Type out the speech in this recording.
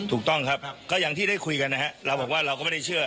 ถูกต้องครับก็อย่างที่ได้คุยกันนะฮะเราบอกว่าเราก็ไม่ได้เชื่อ